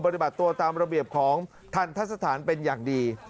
ปฏิบัติตัวตามระเบียบของทันทะสถานเป็นอย่างดี